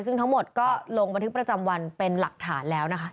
ซึ่งทั้งหมดก็ลงบันทึกประจำวันเป็นหลักฐานแล้วนะคะ